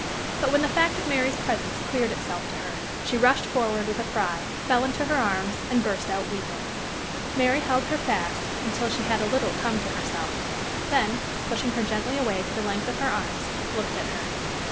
But, when the fact of Mary's presence cleared itself to her, she rushed forward with a cry, fell into her arms, and burst out weeping. Mary held her fast until she had a little come to herself, then, pushing her gently away to the length of her arms, looked at her.